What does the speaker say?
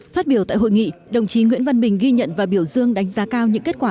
phát biểu tại hội nghị đồng chí nguyễn văn bình ghi nhận và biểu dương đánh giá cao những kết quả